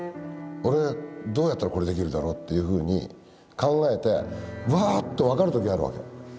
俺どうやったらこれできるだろう？」っていうふうに考えてわっと分かる時あるわけ。